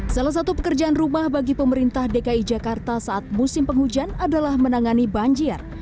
salah satu pekerjaan rumah bagi pemerintah dki jakarta saat musim penghujan adalah menangani banjir